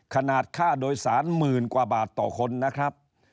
ค่าโดยสารหมื่นกว่าบาทต่อคนนะครับ